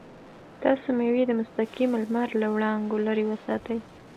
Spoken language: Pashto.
تاسو مېوې د مستقیم لمر له وړانګو لرې وساتئ.